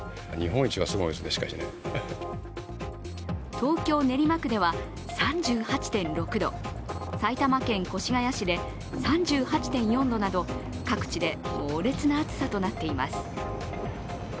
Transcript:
東京・練馬区では３８．６度、埼玉県越谷市で３８．４度など各地で猛烈な暑さとなっています。